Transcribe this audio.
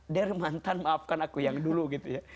dear mantan maafkan aku yang dulu gitu ya